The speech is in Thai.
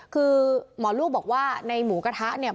คือหมอลูกบอกว่าในหมูกระทะเนี่ย